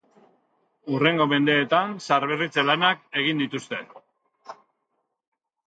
Hurrengo mendeetan zaharberritze lanak egin dituzte.